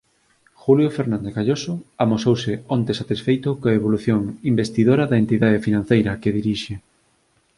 Julio Fernández Gayoso amosouse onte satisfeito coa evolución investidora da entidade financeira que dirixe.